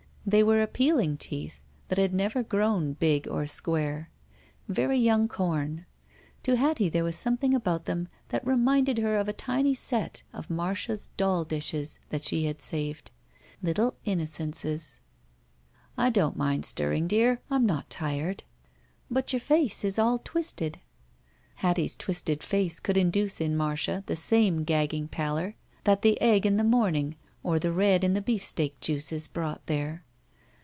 They were appealing teeth that had never grown big or square.. Very young com. To Hattie there was something about them that reminded her of a tiny set of Marda's doll dishes that she had saved. ^ Little innocences. "I don't mind stirring, dear. I'm not tired.*' "But your face is all twisted." Hattie's twisted face could induce in Marda the same gagged pallor that the egg in the morning or the red in the beefsteak juices brought there.